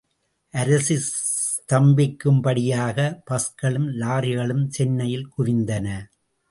அரசு ஸ்தம்பிக்கும்படியாக, பஸ்களும், லாரிகளும் சென்னையில் குவிந்தன.